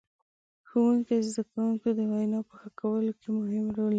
ښوونکي د زدهکوونکو د وینا په ښه کولو کې مهم رول لري.